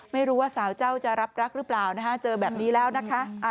ไม่รู้ว่าสาวเจ้าจะรับรักหรือเปล่านะคะเจอแบบนี้แล้วนะคะ